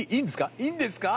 いいんですか？